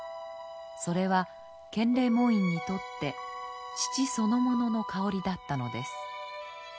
それは建礼門院にとって父そのものの香りだったのです。